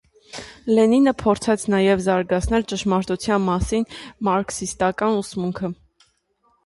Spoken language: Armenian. Լենինը փորձեց նաև զարգացնել ճշմարտության մասին մարքսիստական ուսմունքը։